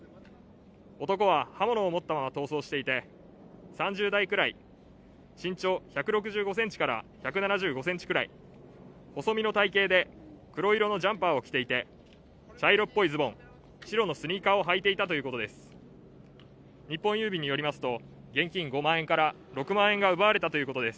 男は刃物を持ったまま逃走していて３０代くらい、身長１６５ｃｍから１７５ｃｍくらい細身の体型で黒色のジャンパーを着ていて、茶色っぽいズボン、白のスニーカーを履いていたということです。